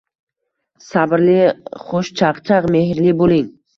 Sabrli, xushchaqchaq, mehrli bo‘ling.